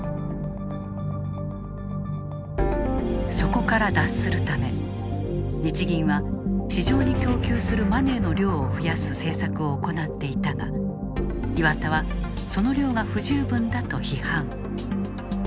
そこから脱するため日銀は市場に供給するマネーの量を増やす政策を行っていたが岩田はその量が不十分だと批判。